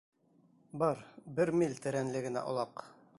— Бар, бер миль тәрәнлегенә олаҡ.